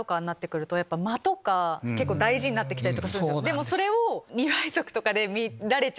でもそれを。